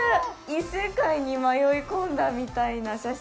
異世界に迷い込んだみたいな写真。